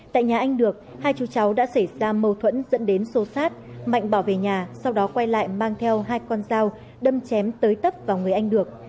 tại nhà anh được hai chú cháu đã xảy ra mâu thuẫn dẫn đến xô xát mạnh bỏ về nhà sau đó quay lại mang theo hai con dao đâm chém tới tấp vào người anh được